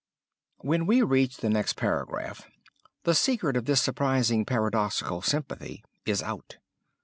When we reach the next paragraph the secret of this surprising paradoxical sympathy is out.